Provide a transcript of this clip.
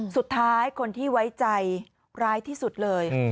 สุดท้ายคนที่ไว้ใจร้ายที่สุดเลย